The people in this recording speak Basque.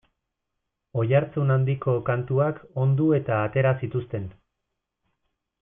Oihartzun handiko kantuak ondu eta atera zituzten.